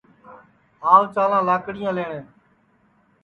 آو چالاں لاکڑیاں لئٹؔے